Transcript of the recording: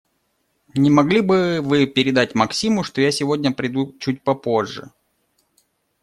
Не могли бы Вы передать Максиму, что я сегодня приду чуть попозже?